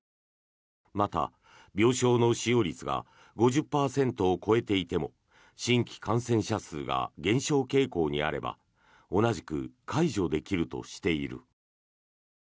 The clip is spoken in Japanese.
また、病床の使用率が５０％を超えていても新規感染者数が減少傾向にあれば同じく解除できるとしている。